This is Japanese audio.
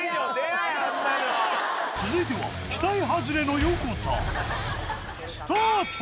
続いては期待外れの横田スタート！